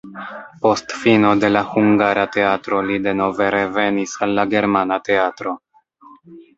Post fino de la hungara teatro li denove revenis al la germana teatro.